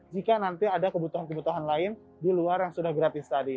jika nanti ada kebutuhan kebutuhan lain di luar yang sudah gratis tadi